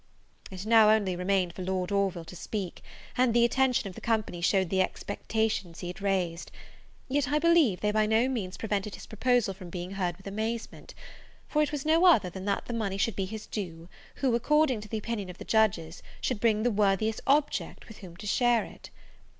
It now only remained for Lord Orville to speak; and the attention of the company showed the expectations he had raised; yet, I believe, they by no means prevented his proposal from being heard with amazement; for it was no other, than that the money should be his due, who, according to the opinion of the judges, should bring the worthiest object with whom to share it!